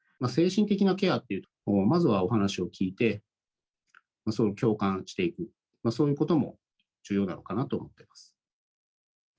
精神的なケアという、まずはお話を聞いて、共感していく、そういうことも重要なのかなと思ってます。